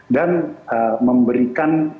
dan memberikan pasangan